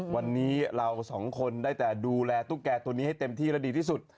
วันนี้เราสองคนได้แต่ดูแลตุ๊กแก่ตัวนี้ให้เต็มที่และดีที่สุด